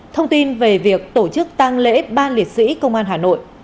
thông tin về việc tổ chức tăng lễ ba liệt sĩ công an hà nội